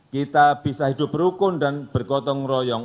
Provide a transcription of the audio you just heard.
kita bisa hidup berukun dan bergotong royong